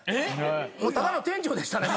ただの店長でしたね。